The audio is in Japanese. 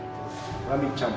ラミちゃん！